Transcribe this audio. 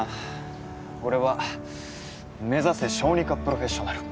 俺は目指せ小児科プロフェッショナル